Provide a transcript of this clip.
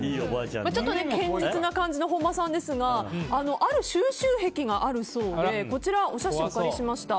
ちょっと堅実な感じの本間さんですがある収集癖があるそうでこちら、お写真をお借りしました。